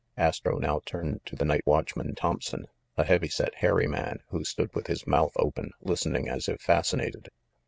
Astro now turned to the night watchman, Thomp son, a heavy set hairy man, who stood with his mouth open, listening as if fascinated.